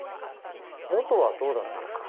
元はどうだったのか。